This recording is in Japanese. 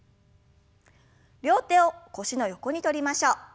両手を腰の横にとりましょう。